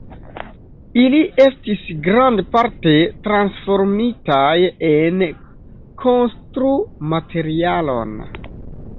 Ili estis grandparte transformitaj en konstru-materialon.